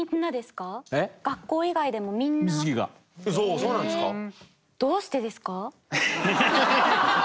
そうなんですか。